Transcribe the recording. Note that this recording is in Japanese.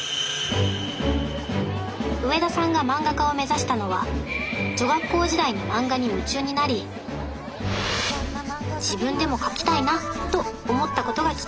上田さんが漫画家を目指したのは女学校時代に漫画に夢中になり自分でも描きたいなと思ったことがきっかけでした。